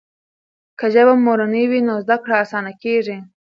که ژبه مورنۍ وي نو زده کړه اسانه کېږي.